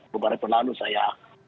beberapa lalu saya